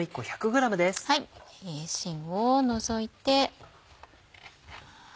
しんを除いて。